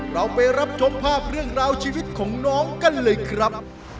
เราไปรับชมภาพเรื่องราวชีวิตของน้องกันเลยครับ